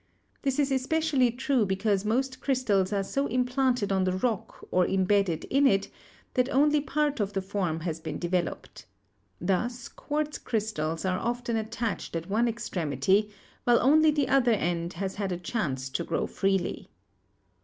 This is especially true because most crystals are so implanted on the rock, or embedded in it, that only part of the form has been developed. Thus quartz crystals are often attached at one extremity, while only the other end has had a chance to grow freely.